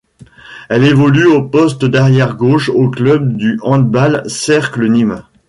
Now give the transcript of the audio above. Elle évolue au poste d'arrière gauche au club du Handball Cercle Nîmes.